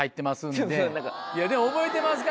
でも覚えてますか？